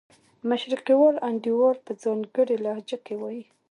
مشرقي وال انډیوال په ځانګړې لهجه کې وایي.